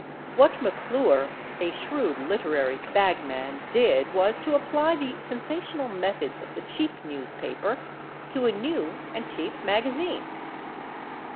What McClure—a shrewd literary bagman—did was to apply the sensational methods of the cheap newspaper to a new and cheap magazine.